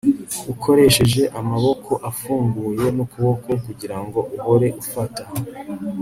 ukoresheje amaboko afunguye n'ukuboko kugirango uhore ufata